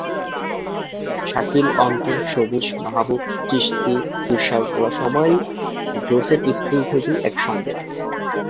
শাকিল, অন্তর, সবুজ, মাহবুব, চিশতি, তুষার ওরা সবাই Joseph school থেকেই একসঙ্গে।